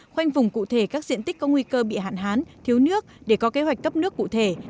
khoanh vùng cụ thể các diện tích có nguy cơ bị hạn hán thiếu nước để có kế hoạch cấp nước cụ thể